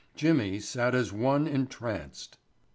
Jimmy sat as one entranced.